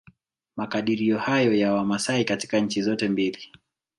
Makadirio hayo ya Wamasai katika nchi zote mbili